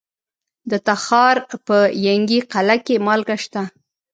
د تخار په ینګي قلعه کې مالګه شته.